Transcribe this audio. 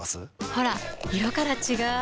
ほら色から違う！